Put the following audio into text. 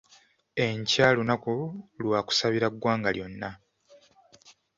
Enkya lunaku lwa kusabira ggwanga lyonna..